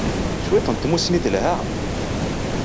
Cwiṭ n tmussni telha.